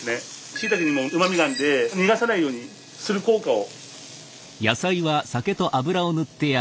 しいたけにもうまみがあるので逃がさないようにする効果を。